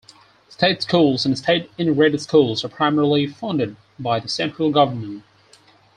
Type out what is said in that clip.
State schools and state integrated schools are primarily funded by the central government.